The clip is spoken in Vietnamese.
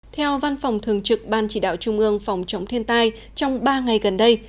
theo văn phòng thường trực ban chỉ đạo trung ương phòng chống thiên tai trong ba ngày gần đây